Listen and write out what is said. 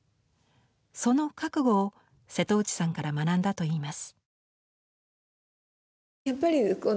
その覚悟を瀬戸内さんから学んだといいます。